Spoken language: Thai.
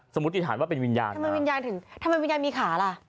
มติฐานว่าเป็นวิญญาณทำไมวิญญาณถึงทำไมวิญญาณมีขาล่ะ